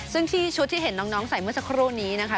ซึ่งที่ชุดที่เห็นน้องใส่เมื่อสักครู่นี้นะคะ